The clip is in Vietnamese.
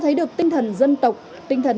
thấy được tinh thần dân tộc tinh thần